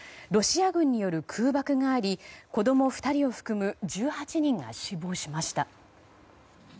ロシア軍による空爆があり子供２人を含む１８人が死亡しました。